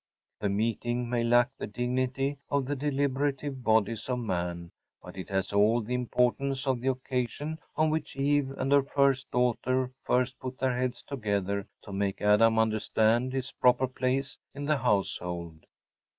The meeting may lack the dignity of the deliberative bodies of man; but it has all the importance of the occasion on which Eve and her first daughter first put their heads together to make Adam understand his proper place in the household.